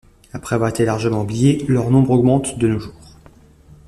Après avoir été largement oubliées, leur nombre augmente de nos jours.